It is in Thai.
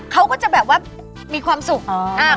เขาก็จะแบบว่ามีความสุข